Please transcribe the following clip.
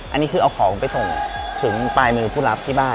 อันนี้คือเอาของไปส่งถึงปลายมือผู้รับที่บ้าน